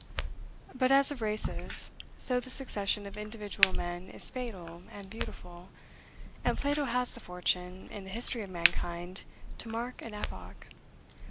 But as of races, so the succession of individual men is fatal and beautiful, and Plato has the fortune, in the history of mankind, to mark an epoch.